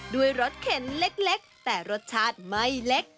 รสเข็นเล็กแต่รสชาติไม่เล็ก